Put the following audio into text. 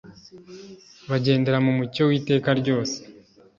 Bagendera mu mucyo w'iteka ryose,